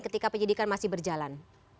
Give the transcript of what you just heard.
ketika penyidikan masih berjalan